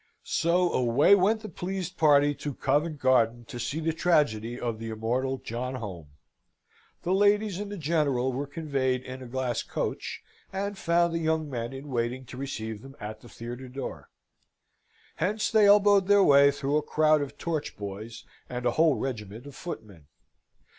So away went the pleased party to Covent Garden to see the tragedy of the immortal John Home. The ladies and the General were conveyed in a glass coach, and found the young men in waiting to receive them at the theatre door. Hence they elbowed their way through a crowd of torch boys, and a whole regiment of footmen.